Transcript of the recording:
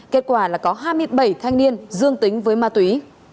kết quả là có hai mươi bảy thanh niên dương tính với ma túy